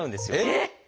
えっ！